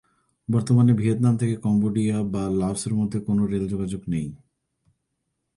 বর্তমানে ভিয়েতনাম থেকে কম্বোডিয়া বা লাওসের মধ্যে কোনও রেল যোগাযোগ নেই।